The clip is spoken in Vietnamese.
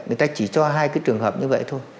người ta chỉ cho hai cái trường hợp như vậy thôi